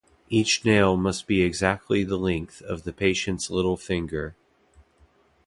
Each nail must be exactly the length of the patient's little finger.